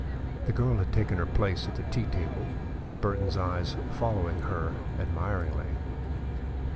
The girl had taken her place at the tea table. Burton's eyes followed her admiringly.